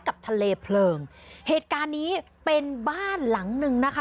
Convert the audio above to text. กับทะเลเพลิงเหตุการณ์นี้เป็นบ้านหลังหนึ่งนะคะ